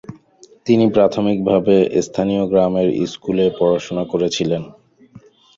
তিনি প্রাথমিকভাবে স্থানীয় গ্রামের স্কুলে পড়াশোনা করেছিলেন।